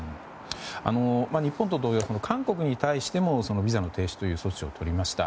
日本と同様韓国に対してもビザの停止という措置をとりました。